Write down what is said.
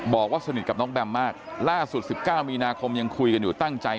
บอกว่าสนิทกับน้องแบมมากล่าสุด๑๙มีนาคมยังคุยกันอยู่ตั้งใจ